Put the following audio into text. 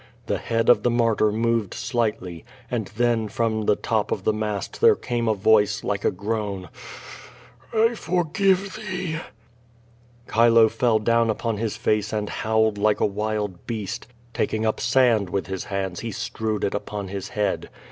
The head of the martyr moved slightly, and then from the top of the mast there came a voice like a groan: "I forgive thee." Chilo fell down upon his face and howled like a wild beast. Taking up sand with his hands he strewed it upon his head.